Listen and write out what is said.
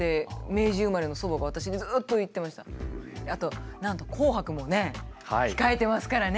あとなんと「紅白」もね控えてますからね。